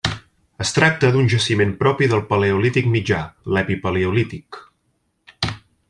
Es tracta d'un jaciment propi del Paleolític mitjà, l'Epipaleolític.